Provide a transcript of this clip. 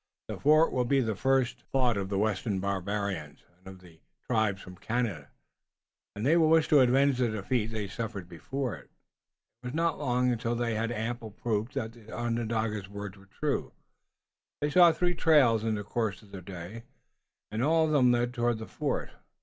"The fort will be the first thought of the western barbarians, and of the tribes from Canada, and they will wish to avenge the defeat they suffered before it." It was not long until they had ample proof that the Onondaga's words were true. They saw three trails in the course of the day, and all of them led toward the fort.